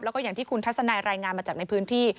แล้วก็อย่างที่คุณทัศนายรายงานมาจากในพื้นที่